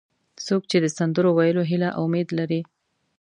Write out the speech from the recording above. څوک چې د سندرو ویلو هیله او امید لري.